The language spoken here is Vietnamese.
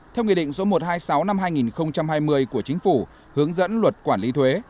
theo nghị định số một trăm hai mươi sáu năm hai nghìn hai mươi của chính phủ hướng dẫn luật quản lý thuế